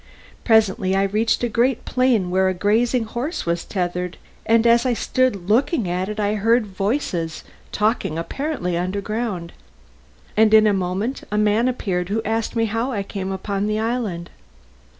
Presently I reached a great plain where a grazing horse was tethered, and as I stood looking at it I heard voices talking apparently underground, and in a moment a man appeared who asked me how I came upon the island.